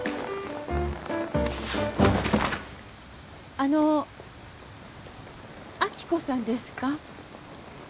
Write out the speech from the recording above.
あの亜希子さんですか？